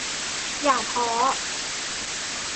อย่าท้อ